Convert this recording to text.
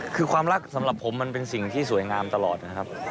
คือความรักสำหรับผมมันเป็นสิ่งที่สวยงามตลอดนะครับ